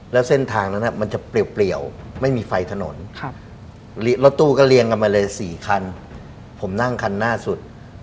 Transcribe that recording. แล้วเส้นทางนั้นมันจะเปรียวไม่มีไฟถนนรถตู้ก็เรียงกันมาเลย๔คันผมนั่งคันหน้าสุด